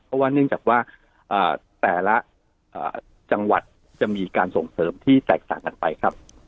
เพราะว่าเนื่องจากว่าแต่ละจังหวัดจะมีการส่งเสริมที่แตกต่างกันไปครับ